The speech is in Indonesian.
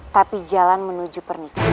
tapi jalan menuju pernikahan